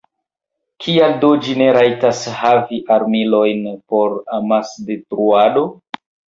Kial do ĝi ne rajtas havi armilojn por amasdetruado?